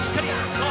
そう」。